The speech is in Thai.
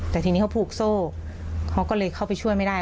แต่ทีนี้เขาผูกโซ่เขาก็เลยเข้าไปช่วยไม่ได้